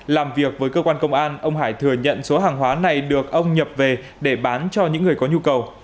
làm việc với cơ quan công an ông hải thừa nhận số hàng hóa này được ông nhập về để bán cho những người có nhu cầu